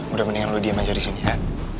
udah mendingan lu diam aja disini ya